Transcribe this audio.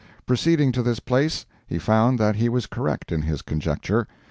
Proceeding to this palace he found that he was correct in his conjecture.